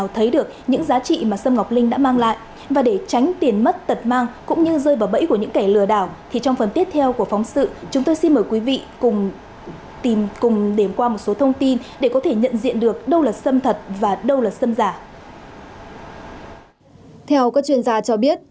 theo các chuyên gia cho biết